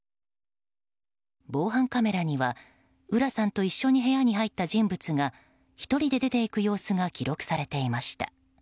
防犯カメラには、浦さんと一緒に部屋に入った人物が１人で出て行く様子が記録されていました。